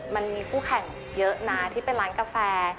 มันมีคู่แข่งเยอะนะที่เป็นร้านกาแฟ